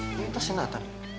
ini tasnya natan